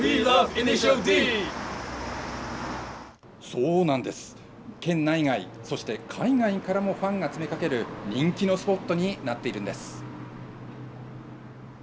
そうなんです、県内外、そして海外からもファンが詰めかける人気のスポットになっているんです。